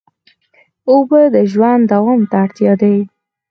اوبه د ژوند دوام ته اړتیا دي.